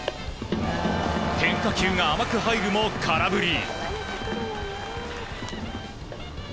変化球が甘く入るも空振り。